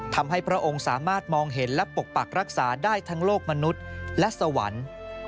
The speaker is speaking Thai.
พระองค์สามารถมองเห็นและปกปักรักษาได้ทั้งโลกมนุษย์และสวรรค์